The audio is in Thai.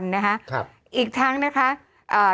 โอเคโอเค